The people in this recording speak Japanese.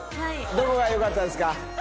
どこが良かったですか？